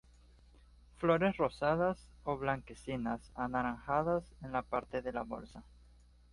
Flores rosadas o blanquecinas, anaranjadas en la parte de la bolsa.